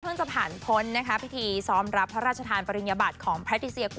เพื่อนจะผ่านพนธ์พิธีซ้อมรับราชธารปริญญบัติของพระธิเซีย